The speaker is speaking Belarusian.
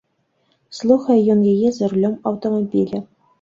Слухае ён яе за рулём аўтамабіля.